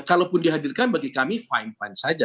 kalaupun dihadirkan bagi kami fine fine saja